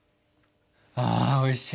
ああおいしい。